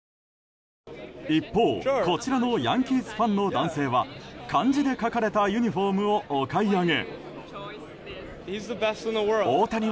一方、こちらのヤンキースファンの男性は漢字で書かれたユニホームをお買い上げ。